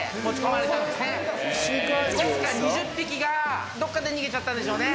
わずか２０匹がどっかで逃げちゃったんでしょうね。